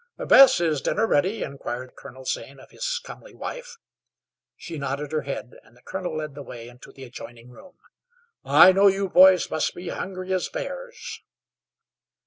"Bess, is dinner ready?" inquired Colonel Zane of his comely wife. She nodded her head, and the colonel led the way into the adjoining room. "I know you boys must be hungry as bears."